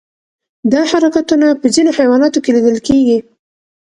دا حرکتونه په ځینو حیواناتو کې لیدل کېږي.